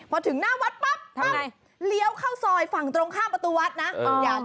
พอถึงหน้าวัดปั๊บปั๊บเลี้ยวเข้าซอยฝั่งตรงข้ามประตูวัดนะ